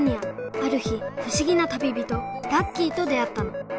ある日不思議なたびびとラッキーと出会ったの。